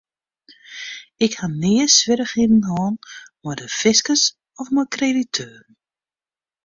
Ik ha nea swierrichheden hân mei de fiskus of mei krediteuren.